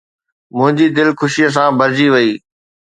منهنجي دل خوشيءَ سان ڀرجي وئي